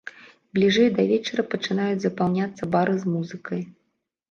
Бліжэй да вечара пачынаюць запаўняцца бары з музыкай.